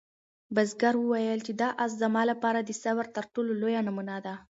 بزګر وویل چې دا آس زما لپاره د صبر تر ټولو لویه نمونه ده.